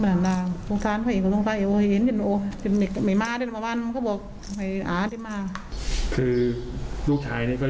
เมื่อวานไม่มาเลยหาเขามาเทรน